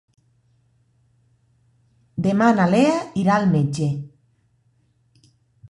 Demà na Lea irà al metge.